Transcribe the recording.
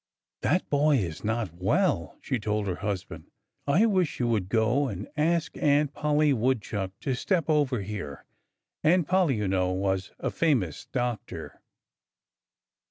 "That boy is not well!" she told her husband. "I wish you would go and ask Aunt Polly Woodchuck to step over here." Aunt Polly, you know, was a famous doctor.